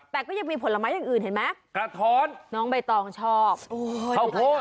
แต่ก็ยังมีผลไม้อย่างอื่นเห็นไหมกระท้อนน้องใบตองชอบข้าวโพด